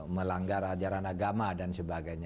melanggar ajaran agama dan sebagainya